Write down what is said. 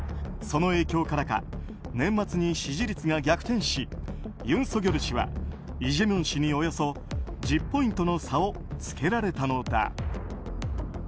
その影響からか年末に支持率が逆転しユン・ソギョル氏はイ・ジェミョン氏におよそ１０ポイントの差をつけられたのだ。